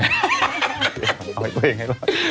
เอาให้ตัวเองให้รอ